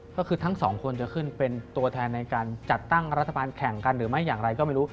ก็คือทั้งสองคนจะขึ้นเป็นตัวแทนในการจัดตั้งรัฐบาลแข่งกันหรือไม่อย่างไรก็ไม่รู้